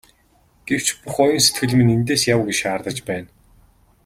Гэвч бүх оюун сэтгэл минь эндээс яв гэж шаардаж байна.